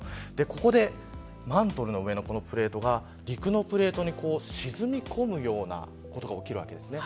マントルの上のプレートが陸のプレートに沈み込むようなことが起きるわけです。